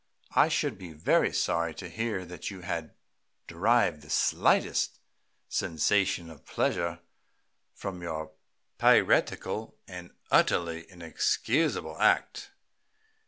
"I should be very sorry to hear that you had derived the slightest sensation of pleasure from your piratical and utterly inexcusable act."